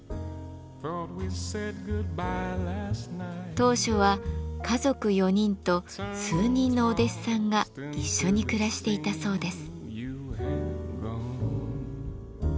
当初は家族４人と数人のお弟子さんが一緒に暮らしていたそうです。